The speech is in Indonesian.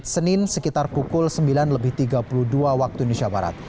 senin sekitar pukul sembilan lebih tiga puluh dua waktu indonesia barat